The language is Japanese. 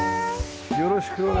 よろしくお願いします。